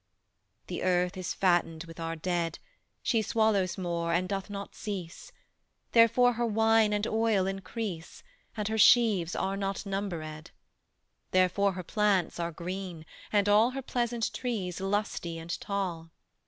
The earth is fattened with our dead; She swallows more and doth not cease: Therefore her wine and oil increase And her sheaves are not numberèd; Therefore her plants are green, and all Her pleasant trees lusty and tall.